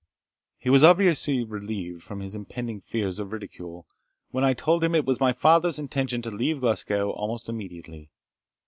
He was obviously relieved from his impending fears of ridicule, when I told him it was my father's intention to leave Glasgow almost immediately.